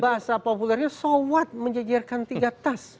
bahasa populernya sewat menjajarkan tiga tas